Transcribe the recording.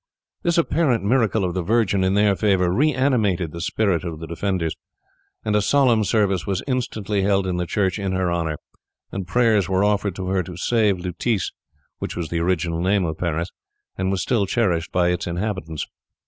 This apparent miracle of the Virgin in their favour re animated the spirit of the defenders; and a solemn service was instantly held in the church in her honour, and prayers were offered to her to save Lutece, which was the original name of Paris, and was still cherished by its inhabitants.